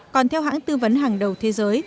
còn theo hãng tư vấn hàng đầu thế giới